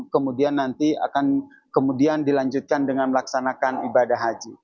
kemudian nanti akan kemudian dilanjutkan dengan melaksanakan ibadah haji